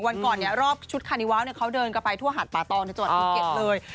วันก่อนรอบชุดคารนิวาลเขาเดินกลับไปทั่วหาดป่าตองในส่วนภูเก็ตเลย